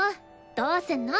どうすんの？